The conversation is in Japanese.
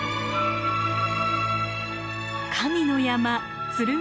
神の山鶴見